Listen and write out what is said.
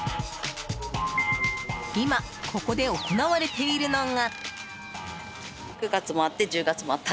今、ここで行われているのが。